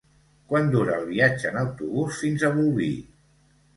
Quant dura el viatge en autobús fins a Bolvir?